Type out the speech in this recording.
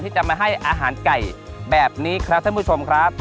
จะมาให้อาหารไก่แบบนี้ครับท่านผู้ชมครับ